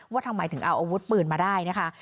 ว่าทำไมถึงเอาอาวุธปืนมาได้นะคะ